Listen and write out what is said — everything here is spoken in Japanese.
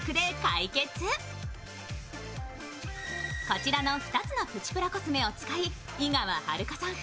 こちらの２つのプチプラコスメを使い、井川遥さん